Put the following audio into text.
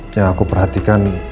yang aku perhatikan